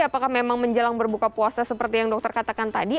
apakah memang menjelang berbuka puasa seperti yang dokter katakan tadi